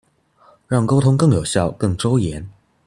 讓溝通更有效、更周延